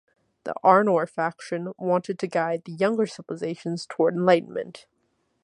The Arnor faction wanted to guide the younger civilizations toward enlightenment.